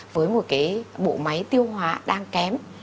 với một cái bộ máy tiêu hóa đang kém